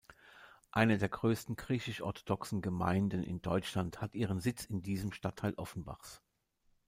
Eine der größten griechisch-orthodoxen Gemeinden in Deutschland hat ihren Sitz in diesem Stadtteil Offenbachs.